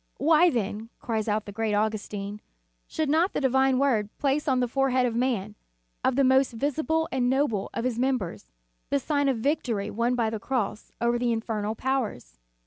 " Why then," cries out the great Augustin, "should not the Divine Word place on the forehead of man, on the most visible and noble of his mem bers, the sign of victory won by the cross over the infernal powers."